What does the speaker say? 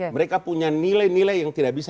mereka punya nilai nilai yang tidak bisa